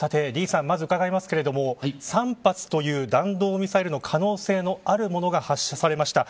李さん、まず伺いますが３発という弾道ミサイルの可能性のあるものが発射されました。